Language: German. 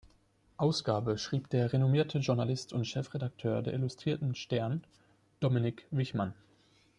Ausgabe schrieb der renommierte Journalist und Chefredakteur der Illustrierten „stern“, Dominik Wichmann.